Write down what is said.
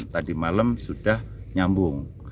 tadi malam sudah nyambung